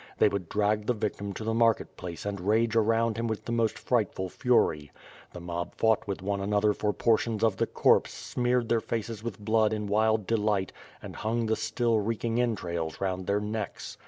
They would drag the victim to the market place and rage around him ^^^th the most frightful fury. The mob fought with one another for portions of the corpse smeared their faces with blood in wild delight and hung the still reeking entrails round their necks.